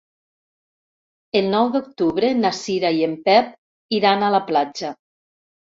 El nou d'octubre na Cira i en Pep iran a la platja.